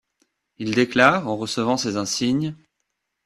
Il déclare, en recevant ses insignes,